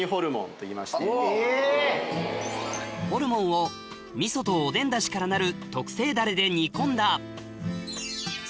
ホルモンを味噌とおでんだしから成る特製ダレで煮込んだえっ！